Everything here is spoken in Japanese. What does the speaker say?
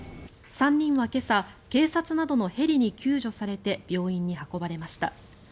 ３人は今朝警察などのヘリに救助されて病院に運ばれました。